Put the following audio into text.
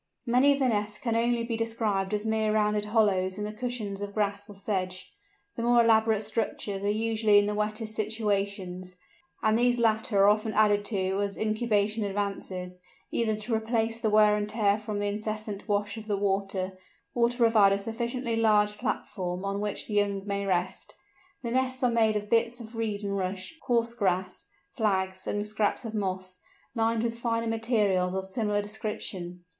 Many of the nests can only be described as mere rounded hollows in the cushions of grass or sedge; the more elaborate structures are usually in the wettest situations, and these latter are often added to as incubation advances, either to replace the wear and tear from the incessant wash of the water, or to provide a sufficiently large platform on which the young may rest. The nests are made of bits of reed and rush, coarse grass, flags, and scraps of moss, lined with finer materials of similar description.